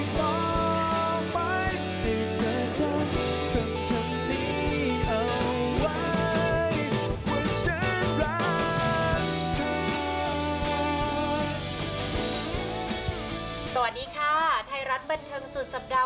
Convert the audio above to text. ฉันไม่มีโอกาสตอบเธออีกต่อไป